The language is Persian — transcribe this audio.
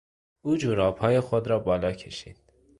او جورابهای خود را بالا کشید.